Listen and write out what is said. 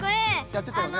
やってたよね？